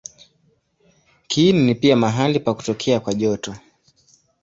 Kiini ni pia mahali pa kutokea kwa joto.